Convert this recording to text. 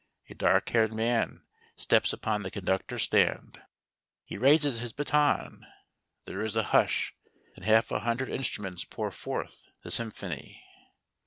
A dark haired man steps upon the conductor's stand, he raises his baton; there is a hush, then half a hundred instru ments pour forth the symphony.